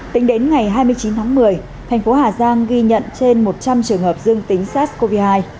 tính đến ngày hai mươi chín tháng một mươi thành phố hà giang ghi nhận trên một trăm linh trường hợp dương tính sars cov hai